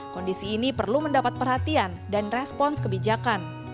kondisi ini perlu mendapat perhatian dan respons kebijakan